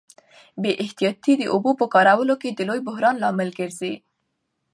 بې احتیاطي د اوبو په کارولو کي د لوی بحران لامل ګرځي.